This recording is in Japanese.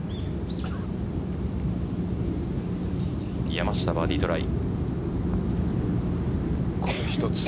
山下、バーディートライ。